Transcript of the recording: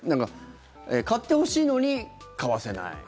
買ってほしいのに買わせない。